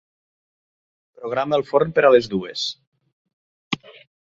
Programa el forn per a les dues.